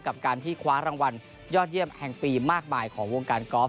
กับการที่คว้ารางวัลยอดเยี่ยมแห่งปีมากมายของวงการกอล์